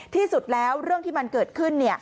ที่สุดแล้วเรื่องที่มันเกิดขึ้น